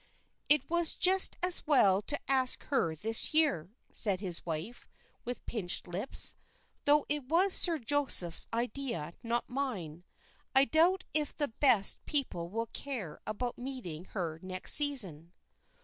"It was just as well to ask her this year," said his wife, with pinched lips, "though it was Sir Joseph's idea, not mine. I doubt if the best people will care about meeting her next season."